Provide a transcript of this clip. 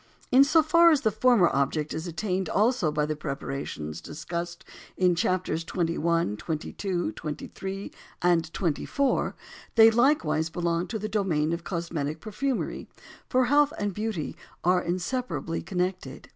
In so far as the former object is attained also by the preparations discussed in Chapters XXI., XXII., XXIII., and XXIV., they likewise belong to the domain of cosmetic perfumery; for health and beauty are inseparably connected.